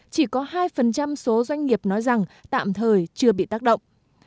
chỉ có hai số doanh nghiệp nói rằng tạm thời chưa bị tác động